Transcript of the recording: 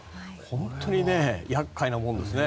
本当に厄介なものですね。